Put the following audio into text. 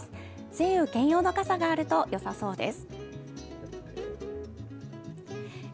晴雨兼用の傘があるとよさそうです。